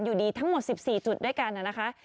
อยู่ดีทั้งหมด๑๔จุดด้วยกันนะคะ